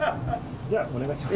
じゃあお願いします。